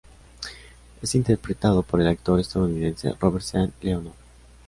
Es interpretado por el actor estadounidense Robert Sean Leonard.